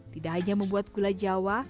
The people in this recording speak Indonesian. tidak hanya membuat gula jawa